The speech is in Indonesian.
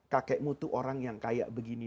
kakekmu itu orang yang kayak begini